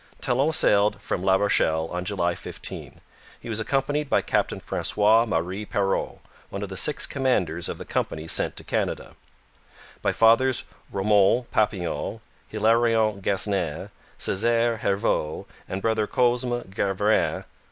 Talon sailed from La Rochelle on July 15. He was accompanied by Captain Francois Marie Perrot, one of the six commanders of the companies sent to Canada; by Fathers Romuald Papillion, Hilarion Guesnin, Cesaire Herveau, and Brother Cosme Graveran.